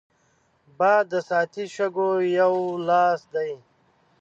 باد د ساعتي شګو یو لاس دی